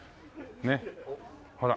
ねっほら。